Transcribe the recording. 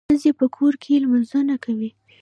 ښځي په کور کي لمونځونه کوي.